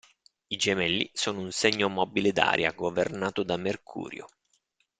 I Gemelli sono un segno mobile d'aria, governato da Mercurio.